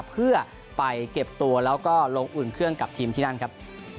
เพื่อไปเก็บตัวแล้วก็ลงอุ่นเครื่องกับทีมที่นั่นครับ